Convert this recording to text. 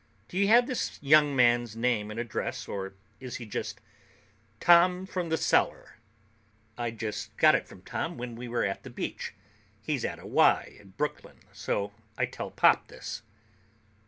"Do you have this young man's name and address, or is he just Tom from The Cellar?" I'd just got it from Tom when we were at the beach. He's at a Y in Brooklyn, so I tell Pop this.